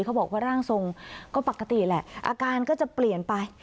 เขาบอกว่าร่างทรงก็ปกติแหละอาการก็จะเปลี่ยนไป